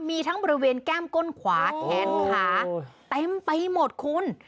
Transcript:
มีทั้งบริเวณแก้มก้นขวาแขนขาเต็มไปหมดคุณ